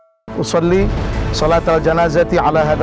sombong tinggi di selat update si satto